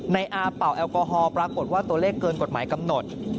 อาเป่าแอลกอฮอล์ปรากฏว่าตัวเลขเกินกฎหมายกำหนด